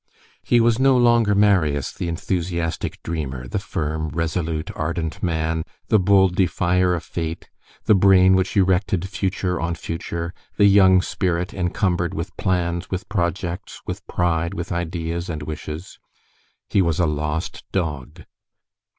He was no longer Marius, the enthusiastic dreamer, the firm, resolute, ardent man, the bold defier of fate, the brain which erected future on future, the young spirit encumbered with plans, with projects, with pride, with ideas and wishes; he was a lost dog.